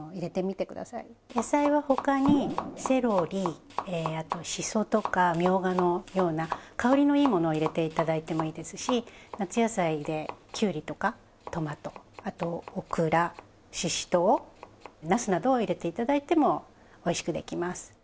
野菜は他にセロリあとしそとかみょうがのような香りのいいものを入れて頂いてもいいですし夏野菜できゅうりとかトマトあとオクラししとうなすなどを入れて頂いてもおいしくできます。